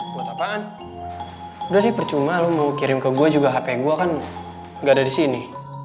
buat apa kan udah deh percuma lo mau kirim ke gue juga hp gue kan gak ada di sini